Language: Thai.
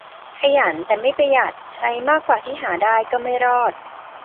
ขยันแต่ไม่ประหยัด ใช้มากกว่าที่หาได้ ก็ไม่รอด